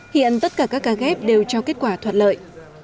hiện tất cả các ca ghép đều cho kết quả thuận lợi